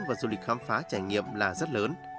và du lịch khám phá trải nghiệm là rất lớn